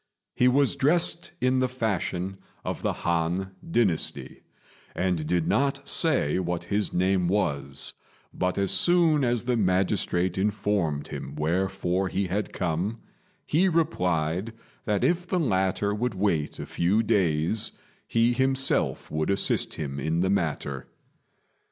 He was dressed in the fashion of the Han dynasty, and did not say what his name was; but as soon as the magistrate informed him wherefore he had come, he replied that if the latter would wait a few days he himself would assist him in the matter.